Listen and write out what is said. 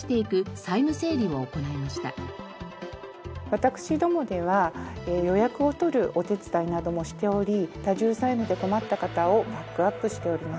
私どもでは予約を取るお手伝いなどもしており多重債務で困った方をバックアップしております。